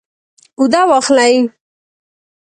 اوده واخلئ